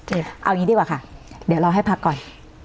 เอาอย่างนี้ดีกว่าค่ะเดี๋ยวเราให้พักก่อน